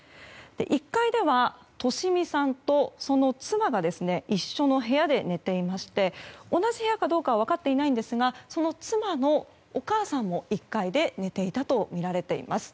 １階では利美さんとその妻が一緒の部屋で寝ていまして同じ部屋かどうかは分かっていないんですがその妻のお母さんも１階で寝ていたとみられています。